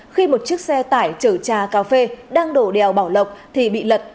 khi một chiếc xe tải chở trà cà phê đang đổ đèo bảo lộc thì bị lật